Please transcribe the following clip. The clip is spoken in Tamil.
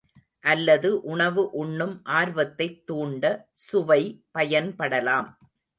அல்லது உணவு உண்ணும் ஆர்வத்தைத் துாண்ட சுவை பயன்படலாம்.